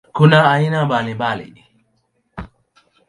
Kuna aina mbalimbali.